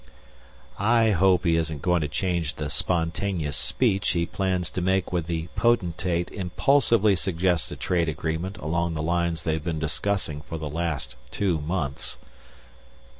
"I hope he isn't going to change the spontaneous speech he plans to make when the Potentate impulsively suggests a trade agreement along the lines they've been discussing for the last two months."